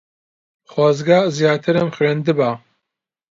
خۆزگە زیاترم خوێندبا.